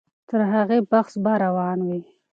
تر هغې بحث به روان وي.